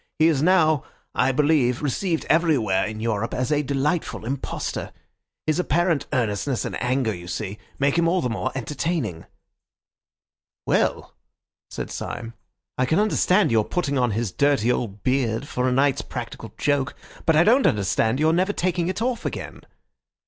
He is now, I believe, received everywhere in Europe as a delightful impostor. His apparent earnestness and anger, you see, make him all the more entertaining." "Well," said Syme, "I can understand your putting on his dirty old beard for a night's practical joke, but I don't understand your never taking it off again."